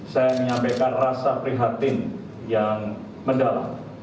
saya menyampaikan rasa prihatin yang mendalam